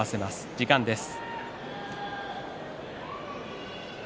時間です。